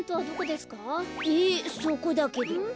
そこだけど。